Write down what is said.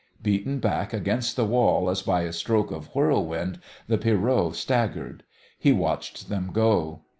Beaten back against the wall as by a stroke of whirlwind, the Pierrot staggered. He watched them go.